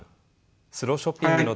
スローショッピングの取り組み